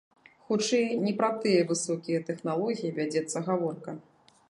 Хутчэй, не пра тыя высокія тэхналогіі вядзецца гаворка.